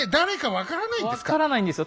分からないんですよ。